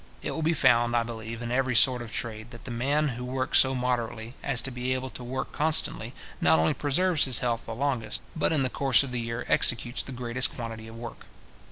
It will be found, I believe, in every sort of trade, that the man who works so moderately, as to be able to work constantly, not only preserves his health the longest, but, in the course of the year, executes the greatest quantity of work.